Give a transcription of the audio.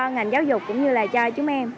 ngành giáo dục cũng như là cho chúng em